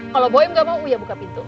kalau bu im gak mau ya buka pintu